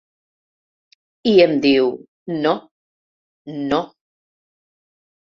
I em diu: No, no.